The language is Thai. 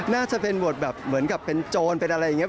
น่าจะเป็นบทแบบเหมือนกับเป็นโจรเป็นอะไรอย่างนี้